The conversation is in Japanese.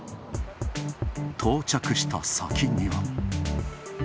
到着した先には。